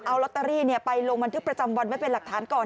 เอาลอตเตอรี่ไปลงบันทึกประจำวันไว้เป็นหลักฐานก่อน